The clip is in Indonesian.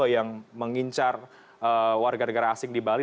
yang mengincar warga negara asing di bali